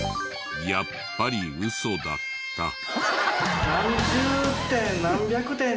やっぱりウソだった。